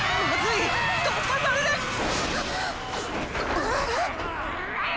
あっ！